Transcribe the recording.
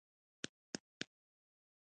ښځه د زړونو ملګرې ده.